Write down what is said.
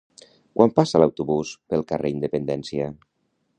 Quan passa l'autobús pel carrer Independència?